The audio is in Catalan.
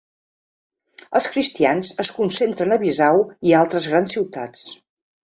Els cristians es concentren a Bissau i altres grans ciutats.